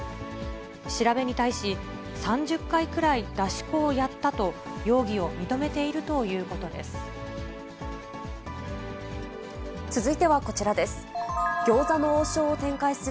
調べに対し、３０回くらい、出し子をやったと容疑を認めているということです。